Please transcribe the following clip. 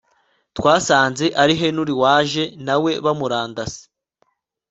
Twasanze ari henry waje nawe bamurandase